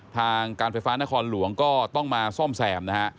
ทางการไฟฟ้านครหลวงก็ต้องมาซ่อมแซมนะฮะ